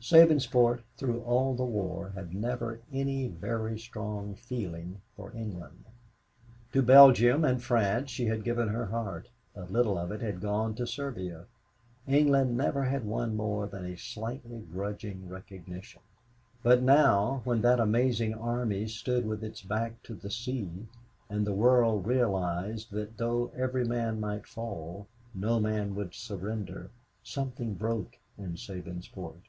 Sabinsport, through all the war, had never any very strong feeling for England. To Belgium and France she had given her heart, a little of it had gone to Serbia, England never had won more than a slightly grudging recognition; but now, when that amazing army stood with its back to the sea, and the world realized that though every man might fall, no man would surrender, something broke in Sabinsport.